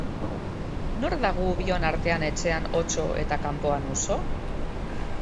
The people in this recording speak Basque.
Nor da gu bion artean etxean otso eta kanpoan uso?